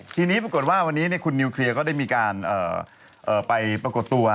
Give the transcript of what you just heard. ทีนี้ปรากฏว่าวันนี้คุณนิวเคลียร์ก็ได้มีการไปปรากฏตัว